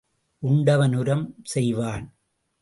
உண்டவன் உரம் செய்வான்.